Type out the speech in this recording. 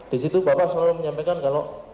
di situ bapak selalu menyampaikan kalau